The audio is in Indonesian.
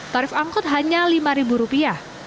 tarif angkut hanya lima rupiah